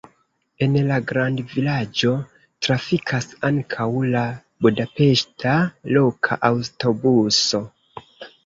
En la grandvilaĝo trafikas ankaŭ la budapeŝta loka aŭtobuso.